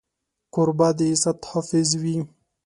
کوربه د عزت حافظ وي.